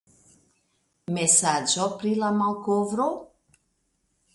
Mesaĝo pri via malkovro?